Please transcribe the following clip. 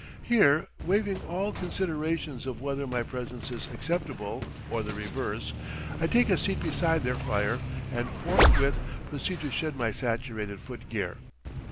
Here, waiving all considerations of whether my presence is acceptable or the reverse, I take a seat beside their fire and forthwith proceed to shed my saturated foot gear.